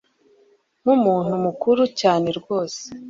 nkumuntu mukuru cyane rwose